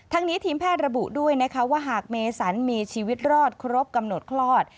นี้ทีมแพทย์ระบุด้วยนะคะว่าหากเมสันมีชีวิตรอดครบกำหนดคลอด